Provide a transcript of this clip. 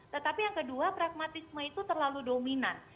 tetapi yang kedua pragmatisme itu terlalu dominan